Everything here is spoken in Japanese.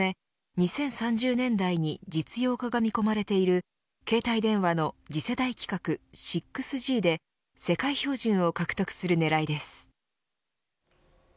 ２０３０年代に実用化が見込まれている携帯電話の次世代規格６Ｇで世界標準を獲得する狙いです。